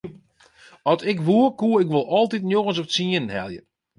At ik woe koe ik wol altyd njoggens of tsienen helje.